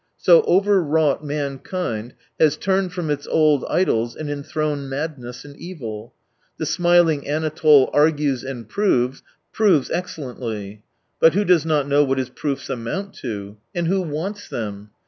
So overwrought mankind has turned from its old idols and enthroned madness and evil. The smiling Anatole argues, and proves — proves excel lently. But who does not know what his proofs amount to ?— and who wants them